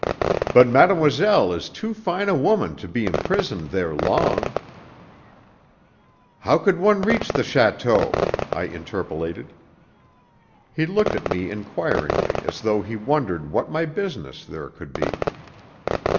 But mademoiselle is too fine a woman to be imprisoned there long " "How could one reach the château?" I interpolated. He looked at me inquiringly as though he wondered what my business there could be.